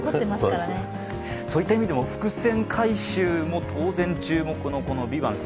そういった意味でも伏線回収も当然注目の「ＶＩＶＡＮＴ」。